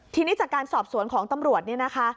ทีนี้จากการสอบสวนของตำรวจเนี่ยนะคะ